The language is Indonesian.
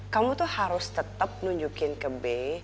kamu tuh harus tetep nunjukin ke be